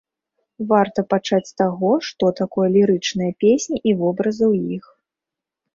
Варта пачаць з таго, што такое лірычныя песні і вобразы ў іх.